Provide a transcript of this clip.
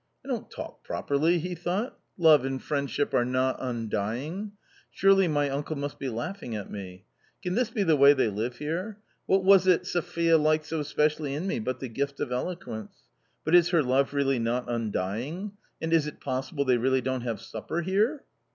" I don't talk properly !" he thought :" love and friend ship are not undying ! surely my uncle must be laughing at me? Can this be the way they live here? What was it Sophia liked so specially in me, but the gift of eloquence ? But is her love really not undying? .... And is it possible they really don't have supper here."